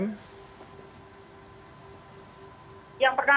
yang pernah kita lakukan di redaksi